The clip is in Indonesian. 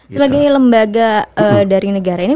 sebagai lembaga dari negara ini